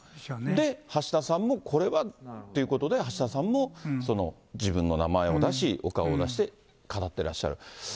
で、橋田さんも、これはっていうことで、橋田さんも自分の名前を出し、お顔を出して、語ってらっしゃる。